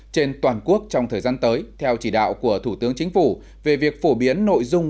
trên toàn quốc trong thời gian tới theo chỉ đạo của thủ tướng chính phủ về việc phổ biến nội dung